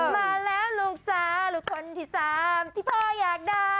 มาแล้วลูกจ้าลูกคนที่สามที่พ่ออยากได้